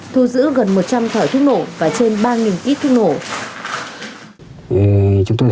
thu giữ gần một trăm linh thở thức nổ và trên ba ít thức nổ